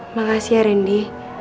makasih ya rendy